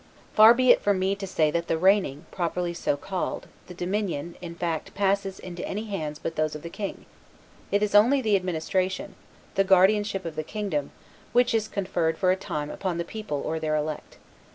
Far be it from me to say that the reigning, properly so called, the dominion, in fact, passes into any hands but those of the king; it is only the administration, the guardianship of the kingdom, which is conferred for a time upon the people or their elect.